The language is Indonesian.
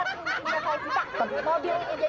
sekarang gak ada karena kamu belum bayar ini yang saya cinta